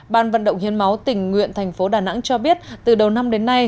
ban vận động hiến máu tình nguyện thành phố đà nẵng cho biết từ đầu năm đến nay